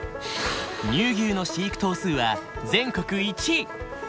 乳牛の飼育頭数は全国１位。